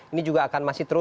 ini juga akan masih terus